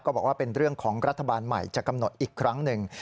บอกว่าเป็นเรื่องของรัฐบาลใหม่จะกำหนดอีกครั้งหนึ่ง